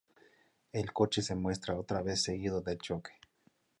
El coche se muestra otra vez seguido del choque.